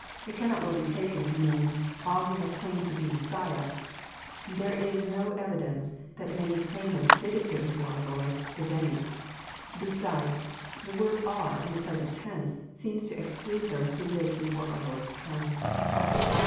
It cannot well be taken to mean, " All who have claimed to be the Messiah." There is no evidence that many claimants did appear before our Lord, if any. Besides, the word "are," in the present tense, seems to exclude those who lived before our Lord's time.